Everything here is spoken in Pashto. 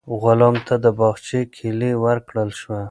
غلام ته د باغچې کیلي ورکړل شوه.